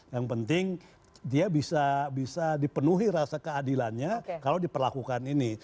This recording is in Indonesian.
yang penting dia bisa dipenuhi rasa keadilannya kalau diperlakukan ini